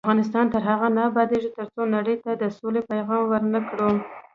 افغانستان تر هغو نه ابادیږي، ترڅو نړۍ ته د سولې پیغام ورنکړو.